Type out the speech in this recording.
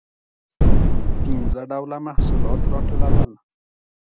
پنځه ډوله محصولات راټولول.